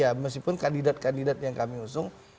ya meskipun kandidat kandidat yang kami usung